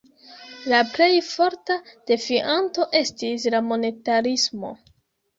La plej forta defianto estis la monetarismo.